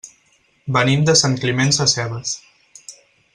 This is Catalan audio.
Venim de Sant Climent Sescebes.